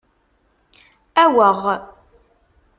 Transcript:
Aweɣ.